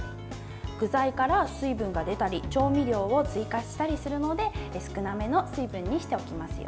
具材から水分が出たり調味料を追加したりするので少なめの水分にしておきますよ。